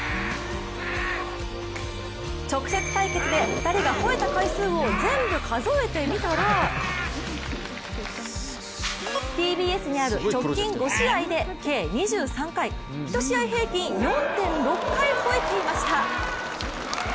直接対決で２人がほえた回数をぜんぶ数えてみたらＴＢＳにある直近５試合で計２３回、１試合平均４．６回ほえていました。